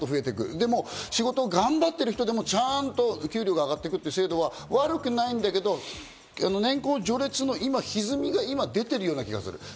でも仕事を頑張っている人でもちゃんとお給料が上がっていく制度というのは悪くないんだけど、年功序列のひずみが今出てる気がする。